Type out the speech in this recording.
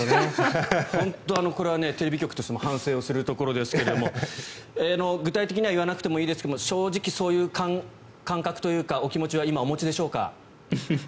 本当、これはテレビ局としても反省をするところですが具体的には言わなくていいですが正直そういう感覚というかお気持ちは今、お持ちでしょうか？